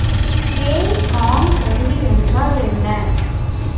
கேள் காண் கருவி என்றால் என்ன?